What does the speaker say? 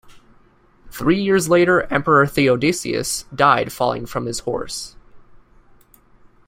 Three years later Emperor Theodosius died falling from his horse.